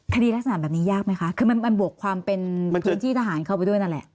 คดีลักษณะแบบนี้ยากไหมคะคือมันบวกความเป็นพื้นที่ทหารเข้าไปด้วยนั่นแหละ